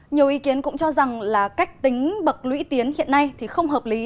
nhiều ý kiến cũng cho rằng là cách tính bậc lũy tiến hiện nay thì không hợp lý